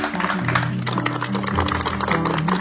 เป็นจุดสุขมาก